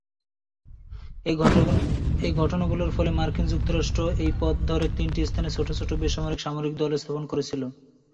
এই ঘটনাগুলোর ফলে মার্কিন যুক্তরাষ্ট্র এই পথ ধরে তিনটি স্থানে ছোট ছোট বেসামরিক-সামরিক দল স্থাপন করেছিল।